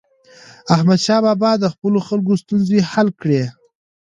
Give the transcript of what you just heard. احمدشاه بابا د خپلو خلکو ستونزې حل کړي.